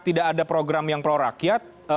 tidak ada program yang prorakyat